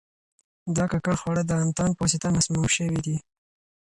دا ککړ خواړه د انتان په واسطه مسموم شوي دي.